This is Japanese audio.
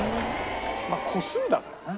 まあ個数だからな。